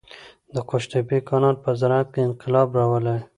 د قوشتېپې کانال په زراعت کې انقلاب راولي.